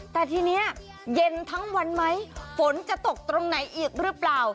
แต่ทีนี้เย็นทั้งวันไหมฝนจะตกตรงไหนอีกหรือเปล่า